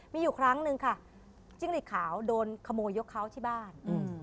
มีอยู่ครั้งหนึ่งค่ะจิ้งหลีดขาวโดนขโมยยกเขาที่บ้าน